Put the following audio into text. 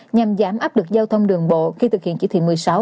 nhằm giảm áp lực giao thông đường bộ khi thực hiện chỉ thị một mươi sáu